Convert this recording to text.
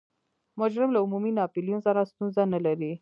مجرم له عمومي ناپلیون سره ستونزه نلري.